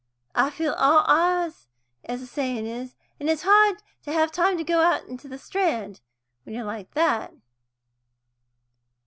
I feel all eyes, as the sayin' is. And it's hard to have to go out into the Strand, when you're like that."